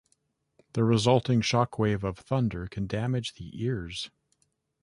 The resulting shock wave of thunder can damage the ears.